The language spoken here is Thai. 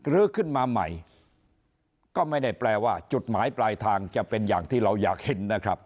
ลื้อขึ้นมาใหม่ก็ไม่ได้แปลว่าจุดหมายปลายทางจะเป็นอย่างที่เราอยากเห็นนะครับ